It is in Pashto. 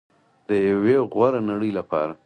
د یوې غوره نړۍ لپاره.